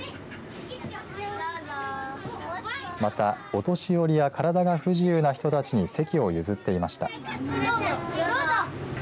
また、お年寄りや体が不自由な人たちに席を譲っていました。